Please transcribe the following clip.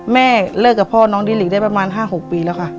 แม่เลิกกับพ่อน้องดิหลีได้ประมาณ๕๖ปีแล้วค่ะ